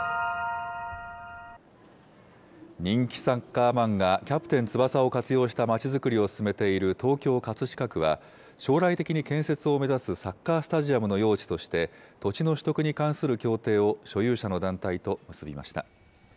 人気サッカー漫画、キャプテン翼を活用したまちづくりを進めている東京・葛飾区は、将来的に建設を目指すサッカースタジアムの用地として、土地の取得に関する協定を所有者の団体と結びました。